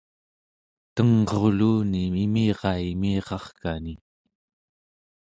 tengruluni imirai imirarkani